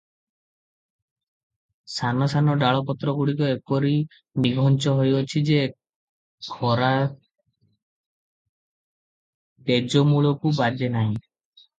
ସାନ ସାନ ଡାଳ ପତ୍ରଗୁଡିକ ଏପରି ନିଘଞ୍ଚ ହୋଇଅଛି ଯେ, ଖରା ତେଜ ମୂଳକୁ ବାଜେ ନାହିଁ ।